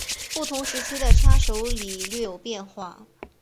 不同时期的叉手礼略有变化。